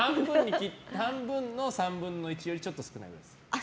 半分の３分の１よりちょっと少ないです。